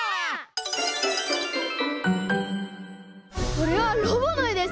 これはロボのえです。